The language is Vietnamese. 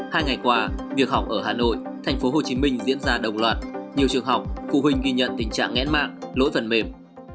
hai ngày qua việc học ở hà nội tp hcm diễn ra đồng loạt nhiều trường học phụ huynh ghi nhận tình trạng nghẽn mạng lỗi phần mềm